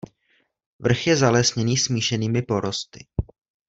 Vrch je zalesněný smíšenými porosty.